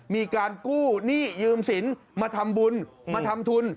มีการกู้หนี้ยืมสินมาทำบุญมาทำทุน